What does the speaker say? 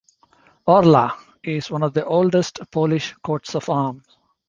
"Orla" is one of the oldest Polish coats of arms.